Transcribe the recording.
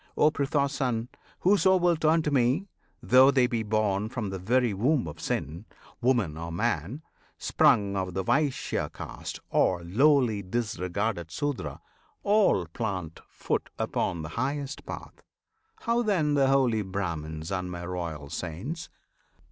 O Pritha's Son! whoso will turn to Me, Though they be born from the very womb of Sin, Woman or man; sprung of the Vaisya caste Or lowly disregarded Sudra, all Plant foot upon the highest path; how then The holy Brahmans and My Royal Saints?